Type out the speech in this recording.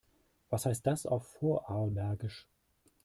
Was heißt das auf Vorarlbergisch?